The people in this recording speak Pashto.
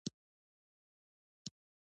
ما یې ښکل کړم، ویې ویل: ته ډېر بې عقل هلک یې.